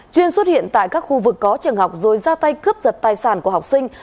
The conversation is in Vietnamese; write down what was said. chuyên xuất hiện tại các khu vực có trường học rồi ra tay cướp giật tài sản của học sinh